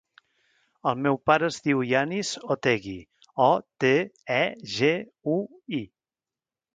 El meu pare es diu Yanis Otegui: o, te, e, ge, u, i.